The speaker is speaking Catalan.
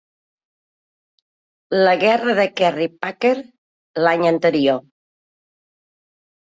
La guerra de Kerry Packer l'any anterior.